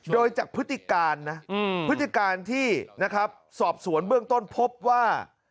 โดยจากพฤติการนะพฤติการที่นะครับสอบสวนเบื้องต้นพบว่า